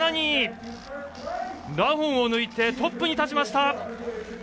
ラフォンを抜いてトップに立ちました。